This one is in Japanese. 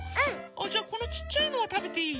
あっじゃこのちっちゃいのはたべていい？